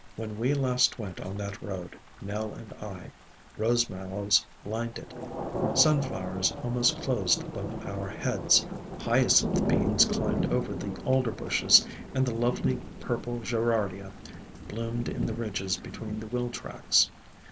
When we last went on that road, Nell and I, Rose Mallows lined it, Sunflowers almost closed above our heads, Hyacinth Beans climbed over the Alder bushes, and the lovely purple Gerardia bloomed in the ridges between the wheel tracks.